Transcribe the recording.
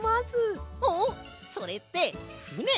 あっそれってふね？